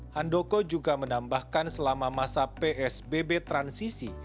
hando koh juga menambahkan selama masa psbb transisi